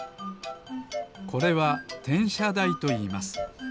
これはてんしゃだいといいます。